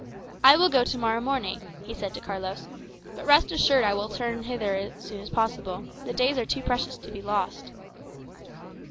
"I will go to morrow morning," he said to Carlos; "but rest assured I will return hither as soon as possible; the days are too precious to be lost."